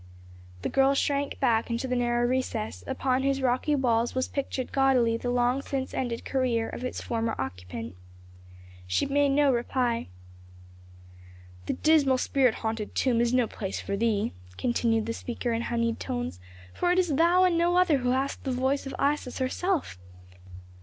The girl shrank back into the narrow recess, upon whose rocky walls was pictured gaudily the long since ended career of its former occupant. She made no reply. "This dismal spirit haunted tomb is no place for thee," continued the speaker in honeyed tones, "for it is thou and no other who hast the voice of Isis herself.